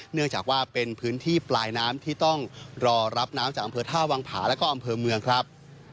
เนื่องจากว่าเป็นพื้นที่ปลายน้ำที่ต้องรอรับน้ำจากอำเภอท่าวังผาและก็อำเภอเมืองครับ